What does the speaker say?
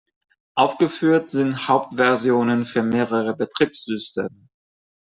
Aufgeführt sind Hauptversionen für mehrere Betriebssysteme.